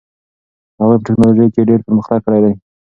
هغوی په ټیکنالوژۍ کې ډېر پرمختګ کړی دي.